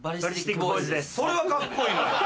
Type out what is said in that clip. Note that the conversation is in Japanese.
それはカッコいいのよ。